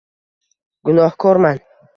Gunohkorman